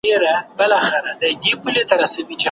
که ماسوم ته پاملرنه وسي نو بې سواده نه پاتې کېږي.